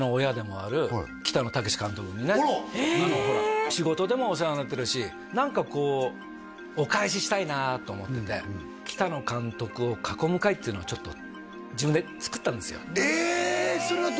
ほら仕事でもお世話になってるし何かこうお返ししたいなと思っててっていうのをちょっと自分でつくったんですよえ！